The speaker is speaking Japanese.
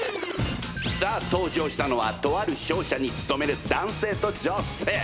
さあ登場したのはとある商社に勤める男性と女性。